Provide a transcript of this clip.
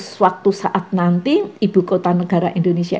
suatu saat nanti ibu kota negara indonesia